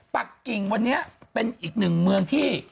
ปากกิ่งวันนี้เป็นอีกหนึ่งเมืองที่